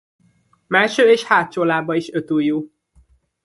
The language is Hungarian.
Mellső és hátsó lába is öt ujjú.